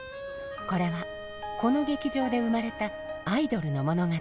これはこの劇場で生まれたアイドルの物語。